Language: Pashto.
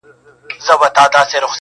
• زما خوښيږي پر ماگران دى د سين تـورى.